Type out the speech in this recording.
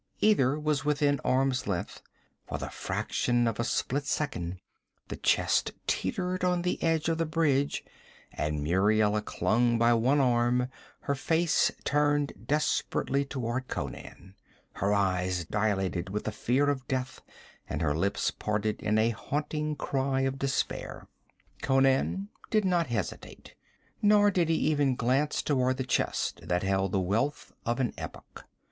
Either was within arm's length; for the fraction of a split second the chest teetered on the edge of the bridge, and Muriela clung by one arm, her face turned desperately toward Conan, her eyes dilated with the fear of death and her lips parted in a haunting cry of despair. Conan did not hesitate, nor did he even glance toward the chest that held the wealth of an epoch.